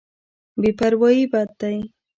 بې پروايي بد دی.